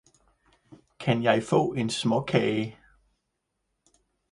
Kan jeg få en småkage?